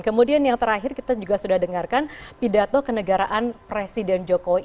kemudian yang terakhir kita juga sudah dengarkan pidato kenegaraan presiden jokowi